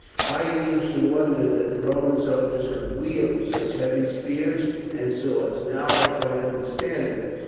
I used to wonder that the Roman soldiers could wield such heavy spears and swords. Now I quite understand it.